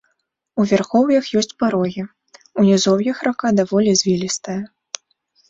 У вярхоўях ёсць парогі, у нізоўях рака даволі звілістая.